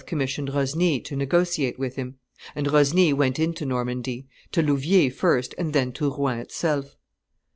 commissioned Rosny to negotiate with him; and Rosny went into Normandy, to Louviers first and then to Rouen itself.